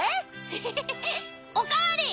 エヘヘおかわり！